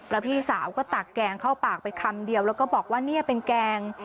แล้วพี่สาวก็ตักแกงเข้าปากไปคำเดียวแล้วก็บอกว่าเนี่ยเป็นแกง